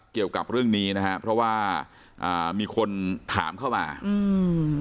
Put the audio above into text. เกี่ยวกับเรื่องนี้นะฮะเพราะว่าอ่ามีคนถามเข้ามาอืม